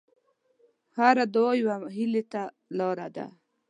هره دعا یوه هیلې ته لاره ده.